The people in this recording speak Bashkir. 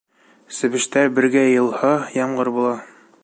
Себештәр бергә йыйылһа, ямғыр була.